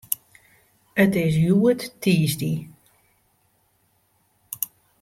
It is hjoed tiisdei.